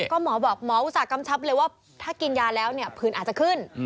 ก็หมอบอกหมออุตสะกรรมชับเลยว่าถ้ากินยาแล้วผื่นอาจจะขึ้น